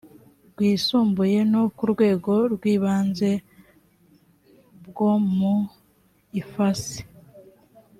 rwisumbuye no ku rwego rw ibanze bwo mu ifasi